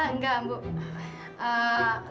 lagi enggak enak badan saja